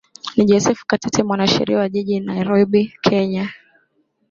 ni joseph katete mwanasheria wa jijini nairobi kenya